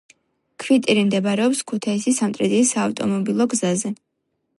ქვიტირი მდებარეობს ქუთაისი-სამტრედიის საავტომობილო გზაზე